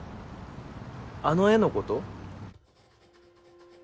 あの絵のこと？